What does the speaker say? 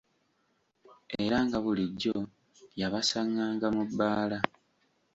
Era nga bulijjo yabasanganga mu bbaala.